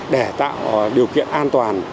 để tạo điều kiện an toàn